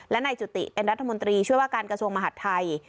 และนายจุติเป็นรัฐมนตรีช่วยว่าการกระทรวงมหาดไทย